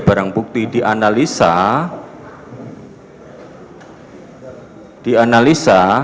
barang bukti dianalisa